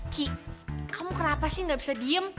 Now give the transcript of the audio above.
ki kamu kenapa sih gak bisa diem